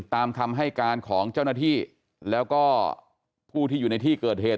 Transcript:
ตามคำให้การของเจ้าหน้าที่แล้วก็ผู้ที่อยู่ในที่เกิดเหตุ